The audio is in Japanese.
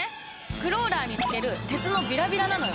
クローラーに付ける鉄のビラビラなのよ。